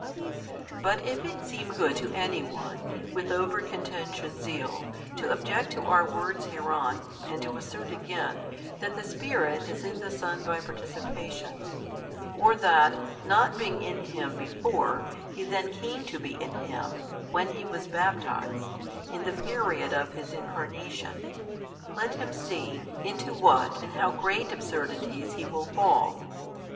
But if it seem good to any one, with over contentious zeal, to object to our words hereon, and to assert again, that the Spirit is in the Son by participation, or that, not being in Him before, He then came to be in Him, when He was baptized, in the period of His Incarnation, let him see, into what and how great absurdities he will fall.